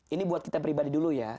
ini buat kita pribadi dulu ya